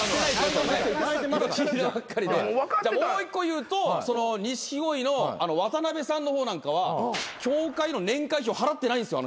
もう１個言うと錦鯉の渡辺さんの方なんかは協会の年会費を払ってないんですよ